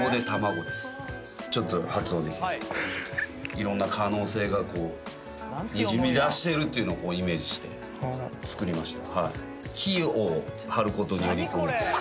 いろんな可能性がにじみ出してるっていうのをイメージして作りました。